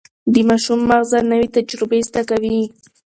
د ماشوم ماغزه نوي تجربې زده کوي.